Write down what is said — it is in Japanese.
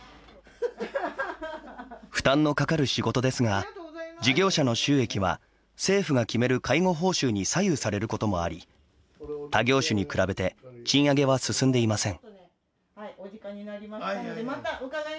負担のかかる仕事ですが事業者の収益は政府が決める介護報酬に左右されることもあり他業種に比べて賃上げは進んでいません。